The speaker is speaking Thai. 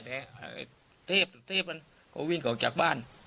แต่เทพก็วิ่งออกจากบ้าน